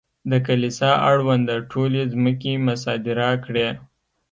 د کلیسا اړونده ټولې ځمکې مصادره کړې.